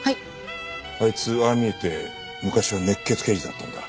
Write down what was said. あいつああ見えて昔は熱血刑事だったんだ。